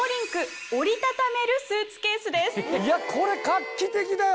これ画期的だよ！